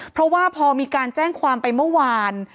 เพราะว่าพอมีการแจ้งความไปเมื่อวาน